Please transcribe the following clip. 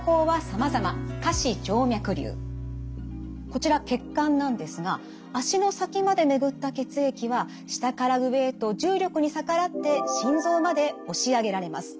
こちら血管なんですが足の先まで巡った血液は下から上へと重力に逆らって心臓まで押し上げられます。